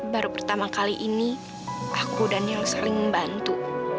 baru pertama kali ini aku dan nel saling membantu